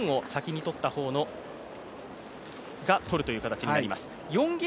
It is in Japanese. １ゲームは１１点を先に取った方が取るという形になります。